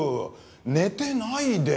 寝てないで。